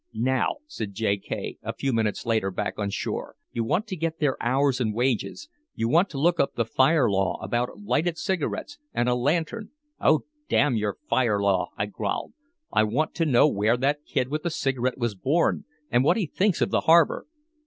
"Now," said J. K. a few minutes later back on shore, "you want to get their hours and wages. You want to look up the fire law about lighted cigarettes and a lantern " "Oh, damn your fire law," I growled. "I want to know where that kid with the cigarette was born, and what he thinks of the harbor!"